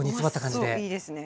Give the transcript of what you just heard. いいですね。